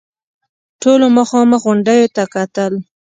ټولو مخامخ غونډيو ته کتل.